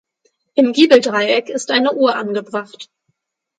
Im Giebeldreieck ist eine Uhr angebracht.